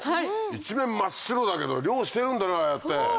一面真っ白だけど漁してるんだねああやって。